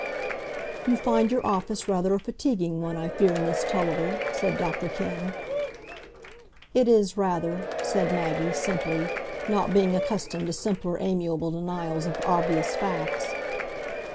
"You find your office rather a fatiguing one, I fear, Miss Tulliver," said Dr Kenn. "It is, rather," said Maggie, simply, not being accustomed to simpler amiable denials of obvious facts.